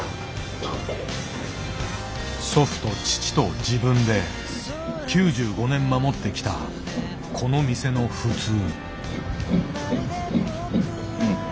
祖父と父と自分で９５年守ってきたこの店の「普通」。